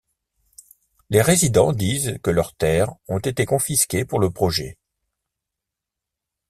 Les résidents disent que leurs terres ont été confisquées pour le projet.